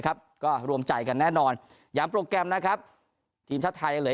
ครับก็รวมใจกันแน่นอนอย่างโปรแกรมนะครับทีมชาติไทยยังเหลือ